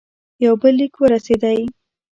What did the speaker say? یو بل لیک ورسېدی.